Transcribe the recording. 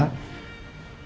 belum berdoa pak